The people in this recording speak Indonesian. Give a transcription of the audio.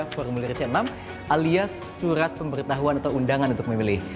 formulir c enam alias surat pemberitahuan atau undangan untuk memilih